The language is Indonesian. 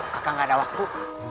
kakak gak ada waktu